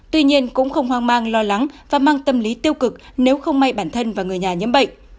tuy nhiên cũng không hoang mang lo lắng và mang tâm lý tiêu cực nếu không may bản thân và người nhà nhiễm bệnh